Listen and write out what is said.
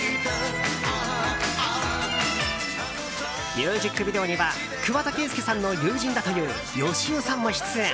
ミュージックビデオには桑田佳祐さんの友人だというヨシオさんも出演。